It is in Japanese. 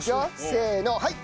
せーのはい！